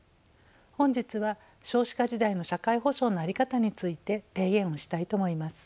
本日は少子化時代の社会保障の在り方について提言をしたいと思います。